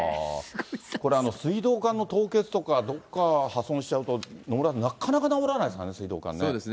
これ、水道管の凍結とか、どこか破損しちゃうと、野村さん、なかなか直らないですからね、水道管ね。